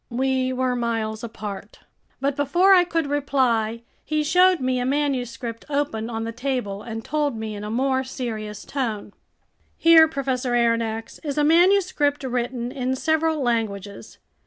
We were miles apart. But before I could reply, he showed me a manuscript open on the table and told me in a more serious tone: "Here, Professor Aronnax, is a manuscript written in several languages.